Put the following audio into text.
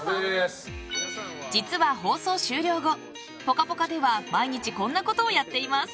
実は放送終了後「ぽかぽか」では毎日こんなことをやっています。